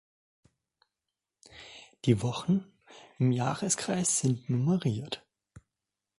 Die Wochen im Jahreskreis sind nummeriert.